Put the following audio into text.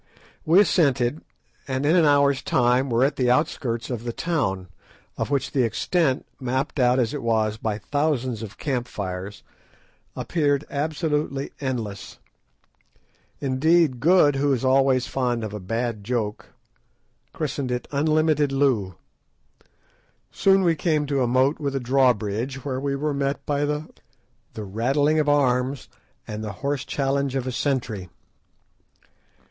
We assented, and in an hour's time were at the outskirts of the town, of which the extent, mapped out as it was by thousands of camp fires, appeared absolutely endless. Indeed, Good, who is always fond of a bad joke, christened it "Unlimited Loo." Soon we came to a moat with a drawbridge, where we were met by the rattling of arms and the hoarse challenge of a sentry.